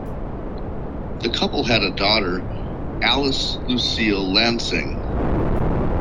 The couple had a daughter, Alice Lucille Lansing.